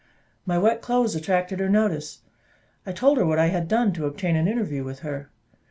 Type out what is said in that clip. My wet clothes attracted her notice. I told her what I had done to obtain an interview with her.